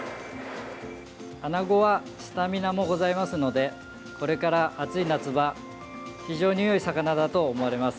アナゴはスタミナもございますのでこれから暑い夏場非常によい魚だと思われます。